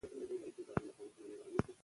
خلک ژبه کاروي.